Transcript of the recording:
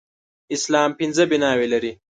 اسلام پنځه بناوې لري